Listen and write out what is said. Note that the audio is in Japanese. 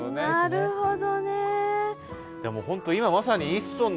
なるほどね。